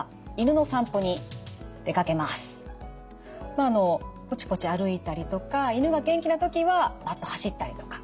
まああのぽちぽち歩いたりとか犬が元気な時はバッと走ったりとか。